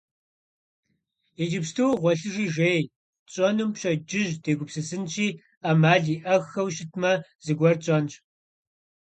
Иджыпсту гъуэлъыжи жей, тщӀэнум пщэдджыжь дегупсысынщи, Ӏэмал иӀэххэу щытмэ, зыгуэр тщӀэнщ.